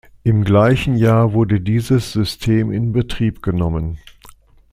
Im gleichen Jahr wurde dieses System in Betrieb genommen.